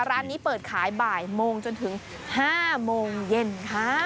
ร้านนี้เปิดขายบ่ายโมงจนถึง๕โมงเย็นค่ะ